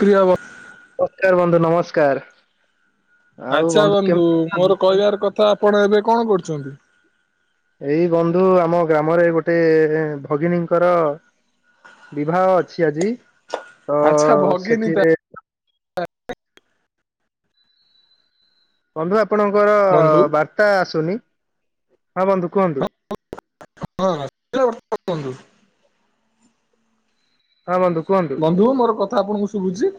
ପ୍ରିୟ ବନ୍ ନମସ୍କାର ବନ୍ଧୁ ନମସ୍କାର। ଆଉ ଆଚ୍ଛା ବନ୍ଧୁ କେମିତି ମୋର କହିବାର କଥା, ଆପଣ ଏବେ କଣ କରୁଛନ୍ତି? ଏଇ ବନ୍ଧୁ ଆମ ଗ୍ରାମରେ ଗୋଟେ ଭଗିିନୀଙ୍କର ବିବାହ ଅଛି ଆଜି। ତ ଆଚ୍ଛା ଭଗିନି ତ ସେଠିରେ ବନ୍ଧୁ ଆପଣଙ୍କର ବନ୍ଧୁ ବାର୍ତ୍ତା ଆସୁନି, ହଁ ବନ୍ଧୁ କୁହନ୍ତୁ। ହ [inaudible] ହଁ ବନ୍ଧୁ କୁହନ୍ତୁ ବନ୍ଧୁ ମୋର କଥା ଆପଣଙ୍କୁ ଶୁଭୁଛି?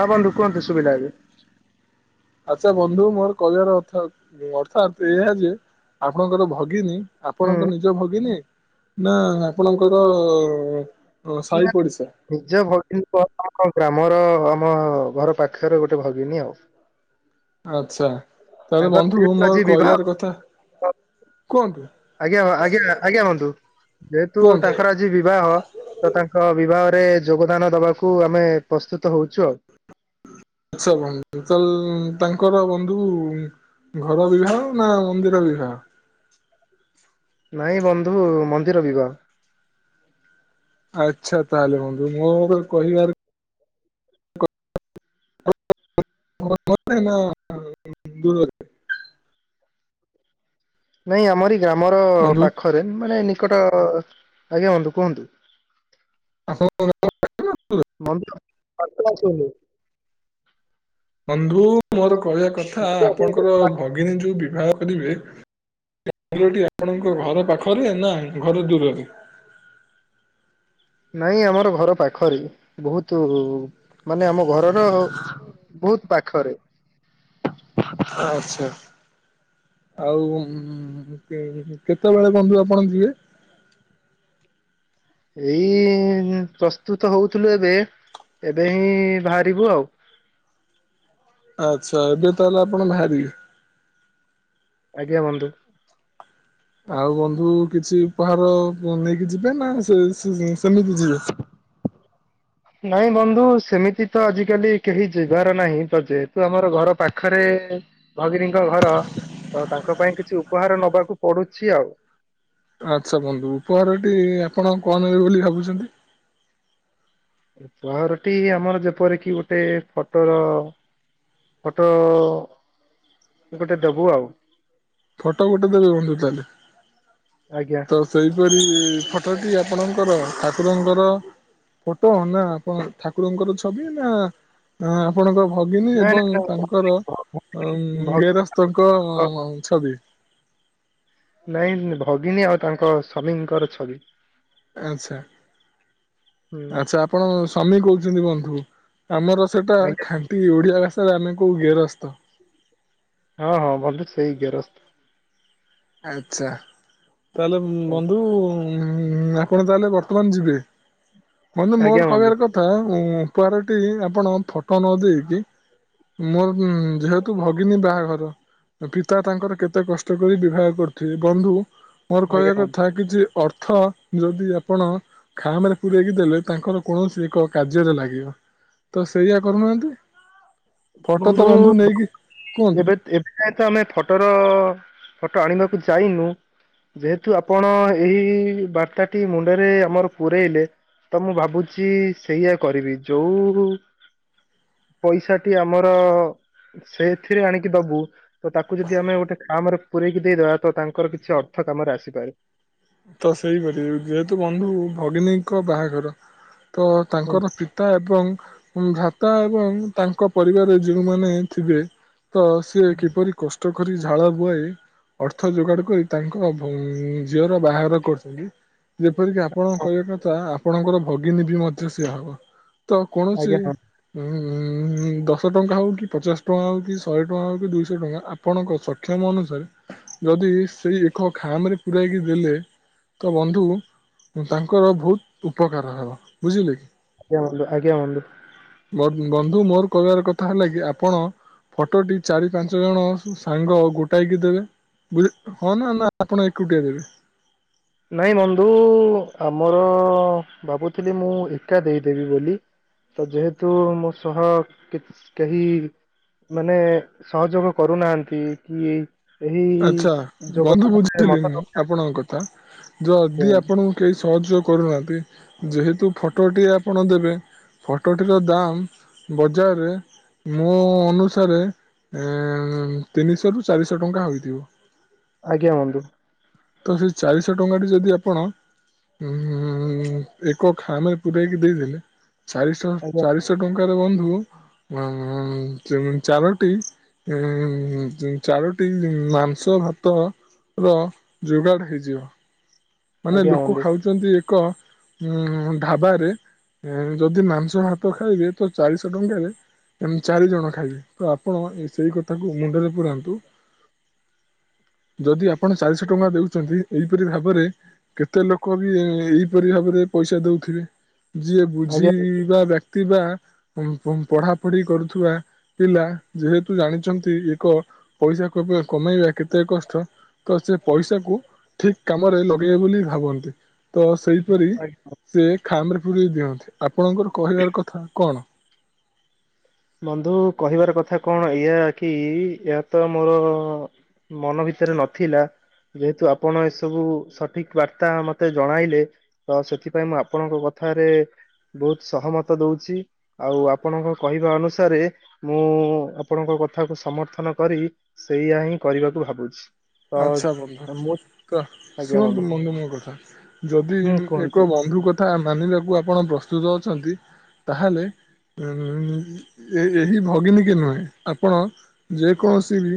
ହଁ ବନ୍ଧୁ କୁହନ୍ତୁ ଶୁଭିଲା ଏବେ। ଆଛା ବନ୍ଧୁ ମୋର କହିବାର ଅର୍ଥ ଅର୍ଥାତ୍ ଏହା ଯେ ଆପଣଙ୍କର ଭଗିନୀ ହୁଁ ଆପଣଙ୍କ ନିଜ ଭଗିନୀ ନା ଆପଣଙ୍କର ଓ ସାଇ ପଡିସା? ନିଜ ଭଗି କ ଆମ ଗ୍ରାମର, ଆମ ଘର ପାଖର ଗୋଟେ ଭଗିନୀ ଆଉ। ଆଛା ତାହେଲେ ତାଙ୍କର ବନ୍ଧୁ ଯେହେତୁ ଆଜି ମୋର ବିବାହ କଇବାର କଥା କୁଅନ୍ତୁ। ଆଜ୍ଞା ଆଜ୍ଞା ଆଜ୍ଞା ବନ୍ଧୁ ଯେହେତୁ କୁହନ୍ତୁ। ତାଙ୍କର ଆ ଜି ବିବାହ ତ ତାଙ୍କ ବିବାହରେ ଯୋଗଦାନ ଦବାକୁ ଆମେ ପ୍ରସ୍ତୁତ ହୋଉଚୁ ଆଉ। [unintelligible] ତାଙ୍କର ବନ୍ଧୁ ଘର ବିବାହ ନା ମନ୍ଦିର ବିବାହ? ନାଇଁ ବନ୍ଧୁ ମନ୍ଦିର ବିବାହ। ଆଚ୍ଛା ତାଏଲେ ବନ୍ଧୁ ମୋର କହିବାର ନା [unintelligible] [unintelligible] ନାଇଁ ଆମରି ଗ୍ରାମର ବନ୍ଧୁ ପାଖରେ, ମାନେ ନିକଟ, ଆଜ୍ଞା ବନ୍ଧୁ କୁହନ୍ତୁ? [unintelligible] ମମିସି [unintelligible] ବନ୍ଧୁ ମୋର କହିବା କଥା, ଆପଣଙ୍କର ଭଗିନୀ ଯୋଉ ବିବାହ କରିବେ ଗ୍ରାମ ଟି ଆପଣ ଙ୍କ ଘର ପାଖରେ ନା ଘର ଦୂରରେ? ନାଇଁ ଆମର ଘର ପାଖରେ, ବହୁତୁ ମାନେ ଆମ ଘରର ବହୁତ ପାଖରେ [unintelligible] ଆଛା ଆଉ କେତେବେଳ ବନ୍ଧୁ ଆପଣ ଯିବେ? ଏଇ ପ୍ରସ୍ତୁତ ହୋଉଥିଲୁ ଏବେ, ଏବେ ହିଁ ବାହାରିବୁ ଆଉ ଆଚ୍ଛା ଏବେ ତାଏଲେ ଆପଣ ବାହାରିବେ? ଆଜ୍ଞା ବନ୍ଧୁ। ଆଉ ବନ୍ଧୁ କିଛି ଉପହାର ନେଇକି ଯିବେ ନା, ସେ ସେମିତି ଯିବେ? ନାଇଁ ବନ୍ଧୁ ସେମିତି ତ ଆଜିକାଲି କେହି ଯିବାର ନାହିଁ, ତ ଯେହେତୁ ଆମର ଘର ପାଖରେ ଭଗିନୀଙ୍କ ଘର, ତାଙ୍କ ପାଇଁ କିଛି ଉପହାର ନବାକୁ ପଡୁଛି ଆଉ। ଆଚ୍ଛା ବନ୍ଧୁ ଉପହାରଟି ଆପଣ କଣ ନେବେ ବୋଲି ଭାବୁଚନ୍ତି? ଉପହାରଟି ଆମର ଯେପରିକି ଗୋଟେ ଫୋଟର ଫଟୋ ଗୋଟେ ଦୋବୁ ଆଉ। ଫଟୋ ଗୋଟେ ଦେବି ବନ୍ଧୁ ତାହେଲେ ଆଜ୍ଞା ତ ସେହିପରି ଫଟୋଟି ଆପଣଙ୍କର ଠାକୁରଙ୍କର ଫଟୋ ନା କଣ ଠାକୁରଙ୍କର ଛବି ନା ନା ଆପଣଙ୍କ ଭଗିନୀ ନାଇଁ ଏବଂ ନାଇଁ ତାଙ୍କର ଅ ନାଇଁ ଗେରସ୍ତଙ୍କ ଭ ଛବି ନାଇଁ ଭଗିନୀ ଆଉ ତାଙ୍କ ସ୍ଵାମୀଙ୍କର ଛବି। ଆଚ୍ଛା ହୁଁ ଆଚ୍ଛା ଆପଣ ସ୍ୱାମୀ କୋହୁଚନ୍ତି ବନ୍ଧୁ ଆମର ସେଟା ଆଜ୍ଞା ଖାଣ୍ଟୀ ଓଡିଆ ଭାଷାରେ ଆମେ କୋଉ ଗେରସ୍ତ। ହଁ ହଁ ବନ୍ଧୁ ସେଇ ଗେରସ୍ତ। ଆଚ୍ଛା ତାହେଲେ ବନ୍ଧୁ ଉଁ ଆପଣ ତାହେଲେ ବର୍ତ୍ତମାନ ଯିବେ ବନ୍ଧୁ ମୋର କହିବାର କ ତା ଉପହାରଟି ଆପଣ ଫଟୋ ନ ଦେଇକି ମୋର ଯେହେତୁ ଭଗିନୀ ବାହାଘର ପିତା ତାଙ୍କର କେତେ କଷ୍ଟ କରି ବିବାହ କରୁଥୁବେ ବନ୍ଧୁ ମୋର କହିବା ଆଜ୍ଞା ବନ୍ଧୁ କଥା କିଛି ଅର୍ଥ ଯଦି ଆପଣ ଖାମରେ ପୁରେଇକି ଦେଲେ ତାଙ୍କର କୌଣସି ଏକ କାର୍ଯ୍ୟରେ ଲାଗିବ। ତ ସେଇଆ କରୁନାହାନ୍ତି ଫଟୋ ତ ବନ୍ଧୁ ନେଇକି କୁହନ୍ତୁ। ଯେହେତୁ ଆମେ ଫଟୋର ଫଟୋ ଆଣିବାକୁ ଯାଇନୁ ଯେହେତୁ ଆପଣ ଏହି ବାର୍ତ୍ତାଟି ମୁଣ୍ଡରେ ଆମର ପୁରେଇଲେ ତ ମୁଁ ଭାବୁଚି ସେଇଆ କରିବି ଯୋଉରୁ ପଇସା ଠି ଆମର ସେଥିରେ ଆଣିକି ଦୋବୁ ତ ତାକୁ ଯଦି ଆମେ ଗୋଟେ ଖାମରେ ପୁରେଇକି ଦେଇଦବା ତ ତାଙ୍କର କିଛି ଅର୍ଥ କାମରେ ଆସିପାରେ। ତ ସେଇପରି ଯେହେତୁ ବନ୍ଧୁ ଭଗିନୀଙ୍କ ବାହାଘର ତ ହୁଁ ତାଙ୍କର ପିତା ଏବଂ ଭ୍ରାତା ଏବଂ ତାଙ୍କ ପରିବାରରେ ଯୋଉଁମାନେ ଥିବେ ତ ସିଏ କିପରି କଷ୍ଟ ପୋଖରୀ ଝାଳ ବୁହେଇ ଅର୍ଥ ଯୋଗାଡ କରି ତାଙ୍କ ଭୋଉ ଝିଅର ବାଘର କରୁ ଯେପରିକି ଆପଣଙ୍କ କହିବା କଥା ଆପଣଙ୍କର ଭଗିନୀ ବି ମଧ୍ୟ ସେ ହବ। ତ କୌଣସି ଆଜ୍ଞା ହଁ ଉଁ ହଁ ଦଶ ଟଙ୍କା ହୋଉ କି ପଚାଶ ଟଙ୍କା ହୋଉ କି ଶହେ ଟଙ୍କା ହୋଉ କି ଦୁଇଶହ ଟଙ୍କା ଆପଣଙ୍କ ସକ୍ଷମ ଅନୁସାରେ ଯଦି ସେଇ ଏକ ଖାମରେ ପୂରାଇକି ଦେଲେ ତ ବନ୍ଧୁ ତାଙ୍କର ବୋହୁତ ଉପକାର ହବ ବୁଝିଲେକି ଆଜ୍ଞା ବନ୍ଧୁ ଆଜ୍ଞା ବନ୍ଧୁ। ବନ୍ ବନ୍ଧୁ ମୋର କହିବାର କଥା ହେଲା କି ଆପଣ ଫଟୋଟି ଚାରି ପାଞ୍ଚ ଜଣ ସବୁ ସାଙ୍ଗ ଗୋଟାଇକି ଦେବେ। ବୁଲି ହଁ ନା ନା ଆପଣ ଏକୁଟିଆ ଦେବେ। ନାଇଁ ବନ୍ଧୁ ଆମର ଭାବୁଥିଲି ମୁଁ ଏକା ଦେଇଦେବି ବୋଲି। ତ ଯେହେତୁ ମୋ ସହ କି କେହି ମାନେ ସହଯୋଗ କରୁନାହାନ୍ତି କି ଆଚ୍ଛା ଏହିସ୍ ଯୋଗ ବନ୍ଧୁ ତାମାନେ ବୁଝିଲି ମତେ ମୁଁ ତ ଆପଣଙ୍କ କଥା ଯଦି ଆପଣଙ୍କ କେହି ସହଯୋଗ କରୁନାହାନ୍ତି ଯେହେତୁ ଫଟୋଟି ଆପଣ ଦେବେ ଫଟୋଟିର ଦାମ୍ ବଜାରରେ ମୋ ଅନୁସାରେ, ଏ ତିନିଶହ ରୁ ଚାରିଶହ ଟଙ୍କା ହୋଇଥିବ। ଆଜ୍ଞା, ବନ୍ଧୁ। ତ, ସେଇ ଚାରିଶହ ଟଙ୍କାଟି ଯଦି ଆପଣ ହୁଁ ହୁଁ, ଏକ ଖାମରେ ପୁୁରେଇକି ଦେଇଦେଲେ ଚାରିଶହ, ଆଜ୍ଞା ଚାରିଶହ ଟଙ୍କାରେ ବନ୍ଧୁ, ଚାରୋଟି ଉ, ଚାରୋଟି ମାଂସ, ଭାତର ଯୋଗାଡ଼ ହେଇଯିବ। ମାନେ ଆଜ୍ଞା ଲୋକ ବନ୍ଧୁ ଖାଉଚନ୍ତି ଏକ, ଉଁ ଢାବାରେ ଯଦି ମାଂସ ହାତ ଖାଇବେ, ତ ଚାରିଶ ଟଙ୍କାରେ ଏମିତି ଚାରିଜଣ ଖାଇବେ, ତ ଆପଣ ଏ ସେଇ କଥାକୁ ମୁଣ୍ଡରେ ପୁରାନ୍ତୁ ଯଦି ଆପଣ ଚାରିଶ ଟଙ୍କା ଦେଉଚନ୍ତି, ଏହିପରି ଭାବରେ କେତେ ଲୋକ ବି, ଏଇପରି ଭାବରେ ପଇସା ଦଉଥିବେ। ଯିଏ ଆଜ୍ଞା ବୁଝିବା ବ୍ୟକ୍ତି ବା, ପଢାପଢି କରୁଥିବା ପିଲା, ଯେହେତୁ ଜାଣିଚନ୍ତି, ଏକ ପଇସା କେବେ କମେଇବା କେତେ କଷ୍ଟ, ତ ସେ ପଇସା କୁ ଠିକ କାମରେ, ଲ ଭାବନ୍ତି, ତ ସେହିପରି ଆଜ୍ଞା। ସେ ଖାମରେ ପୁରେଇ ଦିଅନ୍ତି। ଆପଣଙ୍କର କହିବାର କଥା କଣ? ବନ୍ଧୁ କହିବାର କଥା କଣ ଇଆ କି? ଏହା ତ ମୋର ମନ ଭିତରେ ନଥିଲା ଯେହେତୁ ଆପଣ ଏସବୁ ସଠିକ ବାର୍ତ୍ତା ମତେ ଜଣାଇଲେ ତ ସେଥିପାଇଁ, ମୁଁ ଆପଣଙ୍କ କଥାରେ ବହୁତ ସହମତ ଦଉଚି, ଆଉ ଆପଣଙ୍କ କହିବା ଅନୁ ଅନୁସାରେ, ମୁଁ ଆପଣଙ୍କ କଥାକୁ ସମର୍ଥନ କରି ସେଇଆ ହିଁ କରିବାକୁ ଭାବୁଚି। ଆଛା, ବନ୍ଧୁ ତ ଶୁଣନ୍ତୁ ବନ୍ଧୁ ମୋ କଥା, ଯଦି ହୁଁ ଏକ କୁହନ୍ତୁ ବନ୍ଧୁ କଥା ଥା ମାନିବାକୁ ଆପଣ ପ୍ରସ୍ତୁତ ଅଛନ୍ତି, ତାହେଲେ ଏ ଏହି ଭଗିନୀ କି ନୁହେଁ, ଆପଣ ଯେ କୌଣସି ବି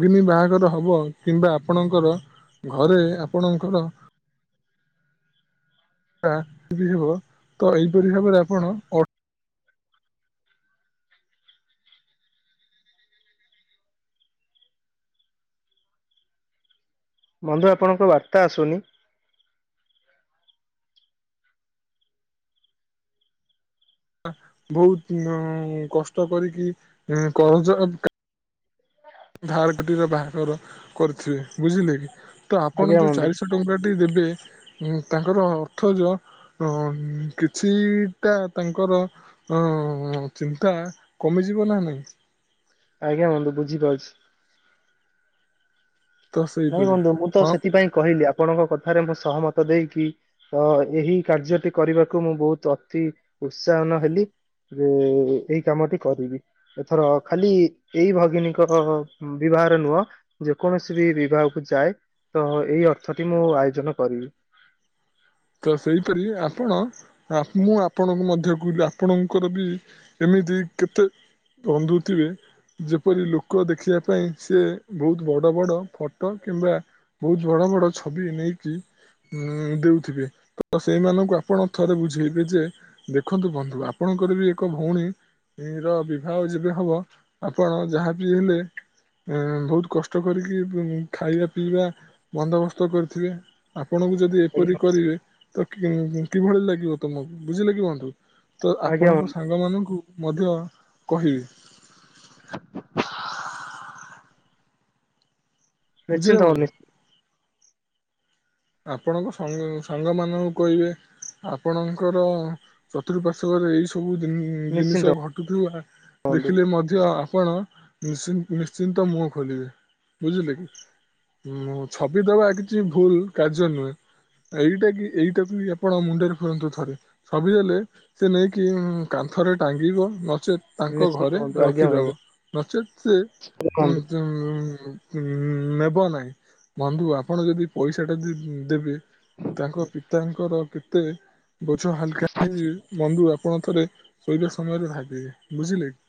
ଅଗିନି ବାହାଘର ହବ କିମ୍ବା ଆପଣଙ୍କର ଘରେ, ଆପଣଙ୍କର [unintelligible] ତ ଏହିପରି ଭାବରେ ଆପଣ ବନ୍ଧୁ, ଆପଣଙ୍କ ବାର୍ତ୍ତା ଆସୁନି? ବହୁତ କଷ୍ଟ କରିକି କହୁଚ ଧାର କରି ବାହାଘର କରିଥିବେ, ବୁଝିଲେ କି? ତ ଆପଣ ଆଜ୍ଞା ଯୋଉ ବନ୍ଧୁ ଚାରିଶ ଦଶ ଟଙ୍କାଟି ଦେବେ, ତାଙ୍କର ଅର୍ଥ ଯ ହଁ, କିଛିଟା ତାଙ୍କର ହଁ, ଚିନ୍ତା କମିଯିବ ନା ନାଇଁ? ଆଜ୍ଞା ବନ୍ଧୁ, ବୁଝିପାରୁଚି। ତ ନାଇଁ ସେଇପରି ବନ୍ଧୁ ମୁଁ ତ ହଁ ସେଥିପାଇଁ କହିଲି, ଆପଣଙ୍କ କଥାରେ ମୁଁ ସହମତ ଦେଇକି ତ ଏହି କାର୍ଯ୍ୟଟି କରିବାକୁ ମୁଁ ବହୁତ ଅତି ଉତ୍ସାହନ ହେଲି। ଯେ, ଏଇ କାମଟି କରିବି। ଏଥର ଖାଲି ଏଇ ଭଗିନୀଙ୍କ ବିବାହରେ ନୁହଁ, ଯେ କୌଣସି ବି ବିବାହ କୁ ଯାଏ, ତ ଏଇ ଅର୍ଥଟି ମୁଁ ଆୟୋଜନ କରିବି। ତ, ସେଇପରି ଆପଣ ମୁଁ ଆପଣଙ୍କୁ ମଧ୍ୟ କହିଲି, ଆପଣଙ୍କର ବି ଏମିତି କେତେ ବନ୍ଧୁ ଥିବେ? ଯେପରି ଲୋକ ଦେଖିବା ପାଇଁ ସିଏ ବହୁତ ବଡ଼ ବଡ଼ ଫଟୋ କିମ୍ବା। ବହୁତ ବଡ ବଡ ଛବି ନେଇକି ଉଁ ଦଉଥିବେ। ତ ସେଇମାନଙ୍କୁ ଆପଣ ଥରେ ବୁଝେଇବେ ଯେ ଦେଖନ୍ତୁ ବନ୍ଧୁ ଆପଣଙ୍କର ବି ଏକ ଭଉଣୀ। ର ବିବାହ ଯେବେ ହବ ଆପଣ ଯାହାବି ହେଲେ। ଉଁ ବହୁତ କଷ୍ଟ କରିକି ଖାଇବା ପିଇବା ବନ୍ଦୋବସ୍ତ କରିଥିବେ। ଆପଣଙ୍କୁ ଯଦି ଏପରି ଆଜ୍ଞା କରିବେ ତ କି କିଭଳି ଲାଗିବ ତମକୁ ବୁଝିଲେ କି ବନ୍ଧୁ। ତ ଆଜ୍ଞା ଆପଣଙ୍କ ବନ୍ଧୁ ସାଙ୍ଗ ମାନଙ୍କୁ ମଧ୍ୟ କହିବେ। ନିଶ୍ଚିନ୍ତ ବନ୍ଧୁ। ଆପଣଙ୍କ ସଙ୍ଗ ସାଙ୍ଗ ମାନଙ୍କୁ କହିବେ। ଆପଣଙ୍କର ଚତୁଃପାର୍ଶ୍ୱରେ ଏଇ ସବୁ ଜିନ ନିଶ୍ଚିନ୍ତ ଜିନିଷ ଘଟୁଥିବା ବନ୍ଧୁ ଦେଖିଲେ ମଧ୍ୟ। ଆପଣ ନିଶ୍ ନିଶ୍ଚିନ୍ତ ମୁହଁ ଖୋଲିବେ ବୁଝିଲେ କି। ହୁଁ ଛବି ଦବା କିଛି ଭୁଲ କାର୍ଯ୍ୟ ନୁହେଁ। ଏଇଟା କି ଏଇଟାବି ଆପଣ ମୁଣ୍ଡରେ ଫୁରାନ୍ତୁ ଥରେ। ଛବି ଦଲେ ସେ ନେଇକି କାନ୍ଥରେ ଟାଙ୍ଗିବ ନଚେତ୍। ତାଙ୍କ ନିଶ୍ଚିନ୍ତ ଘରେ ବନ୍ଧୁ ଆଜ୍ଞା ରଖିଦବ ବନ୍ଧୁ। ନଚେତ୍ ସେ ଉଁ। ବନ୍ଧୁ ଉଁ ଉଁ ଉଁ ନେବ ନାହିଁ ବନ୍ଧୁ ଆପଣ ଯଦି ପଇସା। ଟା ଯଦି ଦେବେ ତାଙ୍କ ପିତାଙ୍କର କେତେ। ବୋଝ ହାଲକା ହେଇଯିବେ ବନ୍ଧୁ ଆପଣ ଥରେ ଶୋଇବା ସମୟରେ ଭାବିବେ ବୁଝିଲେ କି।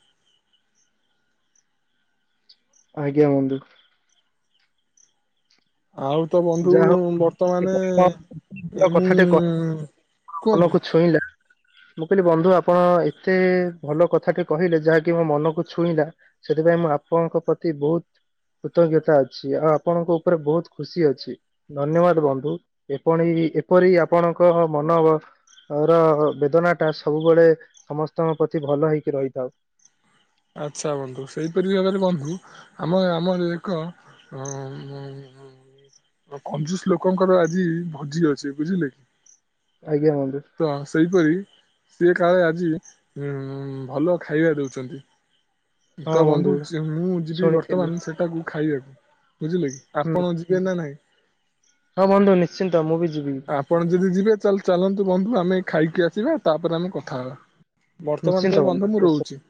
ଆଜ୍ଞା ବନ୍ଧୁ। ଆଉ ତ ବନ୍ଧୁ ଯାହା ବର୍ତ୍ତମାନ ହଉ କଥାଟେ ମୁଁ। କୁହନ୍ତୁ ମନକୁ ଛୁଇଁଲା। ମୁଁ କହିଲି ବନ୍ଧୁ ଆପଣ ଏତେ ଭଲ କଥାଟେ କହିଲେ ଯାହାକି ମୋ ମନକୁ ଛୁଇଁଲା। ସେଥିପାଇଁ ମୁଁ ଆପଣଙ୍କ ପ୍ରତି ବହୁତ୍ କୃତଜ୍ଞତା ଅଛି ଆଉ ଆପଣଙ୍କ ଉପରେ ବହୁତ ଖୁସି ଅଛି। ଧନ୍ୟବାଦ ବନ୍ଧୁ ଏପଣି ଏପରି ଆପଣଙ୍କ ମନ। ର ବେଦନା ଟା ସବୁବେଳେ ସମସ୍ତଙ୍କ ପ୍ରତି ଭଲ ହେଇକି ରହିଥାଉ। ଆଚ୍ଛା ବନ୍ଧୁ ସେଇପରି ଭାବରେ ବନ୍ଧୁ ଆମେ ଆମର ଏକ। ଅଁ ଉଁ ଉଁ। କଞ୍ଜୁସ୍ ଲୋକଙ୍କର ଆଜି ଭୋଜି ଅଛି ବୁଝିଲେ କି। ଆଜ୍ଞା ବନ୍ଧୁ। ତ ସେହିପରି ସିଏ କାଳେ ଆଜି ଉଁ ଭଲ ଖାଇବା ଦେଉଛନ୍ତି। ତ ବନ୍ଧୁ ଚି ମୁଁ ଯିବି ଶୁଣିଥିଲି ବର୍ତ୍ତମାନ ସେଟାକୁ ଖାଇବାକୁ ବୁଝିଲେ କି ହୁଁ ଆପଣ ଯି ବେ ନା ନାହିଁ। ହଁ ବନ୍ଧୁ ନିଶ୍ଚିନ୍ତ ମୁଁ ବି ଯିବି। ଆପଣ ଯଦି ଯିବେ ଚାଲ ଚାଲନ୍ତୁ ବନ୍ଧୁ ଆମେ ଖାଇକି ଆସିବା ତାପରେ ଆମେ କଥା ହେବା। ବର୍ତ୍ତମାନ ନିଶ୍ଚିନ୍ତ ପାଇଁ ବନ୍ଧୁ ମୁଁ ନିଶ୍ଚିନ୍ତ। ରହୁଛି।